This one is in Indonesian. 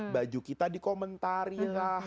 baju kita dikomentarilah